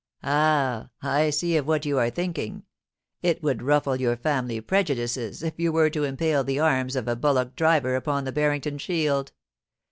* Ah ! I see of what you are thinking. It would ruffle your family prejudices if you were to impale the arms of a bullock driver upon the Barrington shield.